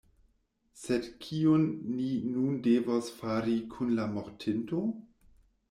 Sed kion ni nun devos fari kun la mortinto?